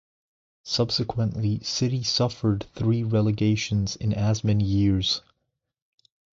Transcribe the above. Subsequently, City suffered three relegations in as many years.